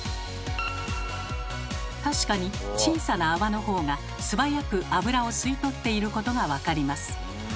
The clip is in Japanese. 確かに小さな泡の方が素早く油を吸い取っていることが分かります。